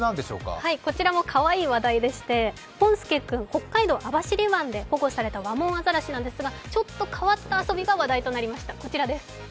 こちらもかわいい話題でして、ポンすけくん、北海道網走湾で保護されたワモンアザラシなんですがちょっと変わった遊びが話題となりました。